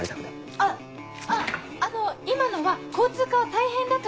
あっあの今のは交通課は大変だという意味で。